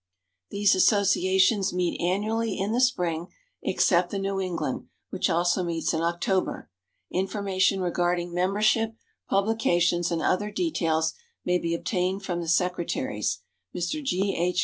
These associations meet annually in the spring, except the New England, which also meets in October. Information regarding membership, publications, and other details may be obtained from the secretaries: Mr. G. H.